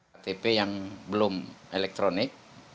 ktp yang belum elektronik